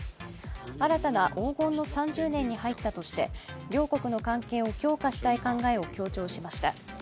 新たな黄金の３０年に入ったとして両国の関係を強化したい考えを強調しました。